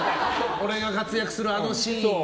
俺が活躍するあのシーン。